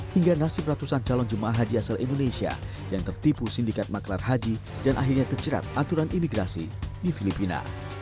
hingga nasib ratusan calon jemaah haji asal indonesia yang tertipu sindikat maklar haji dan akhirnya terjerat aturan imigrasi di filipina